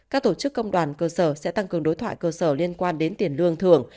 các tổ chức công đoàn cơ sở sẽ tăng cường đối thoại cơ sở liên quan đến tiền lương thưởng